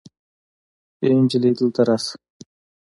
آې انجلۍ دلته راسه